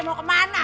woy mau kemana